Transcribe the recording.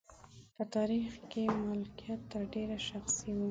په تاریخ کې مالکیت تر ډېره شخصي و.